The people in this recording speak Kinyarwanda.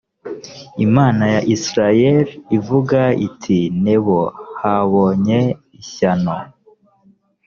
imana ya isirayeli ivuga iti i nebo habonye ishyano